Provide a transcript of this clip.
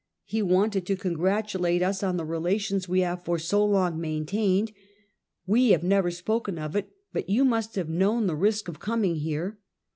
He wanted to congratulate us on the relations we have for so long maintained. We have never spoken of it, but you must have known the risk of coming here.